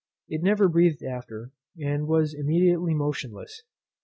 It never breathed after, and was immediately motionless.